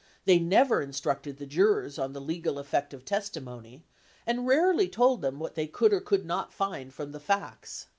They never instructed the jurors on the legal effect of testi mony, and rarely told them what they could or could not find from the facts.